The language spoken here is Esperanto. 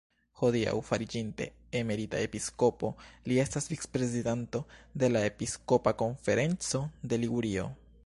Hodiaŭ, fariĝinte emerita episkopo, li estas vicprezidanto de la "Episkopa konferenco de Ligurio".